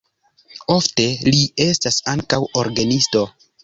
Ofte li estas ankaŭ orgenisto.